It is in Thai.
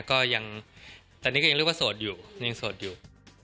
ก็ยังตอนนี้ก็ยังเรียกว่าโสดอยู่ยังโสดอยู่